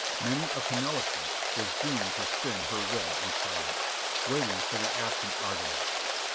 Many a Penelope was doomed to spin her web in silence, waiting for the absent Argonaut.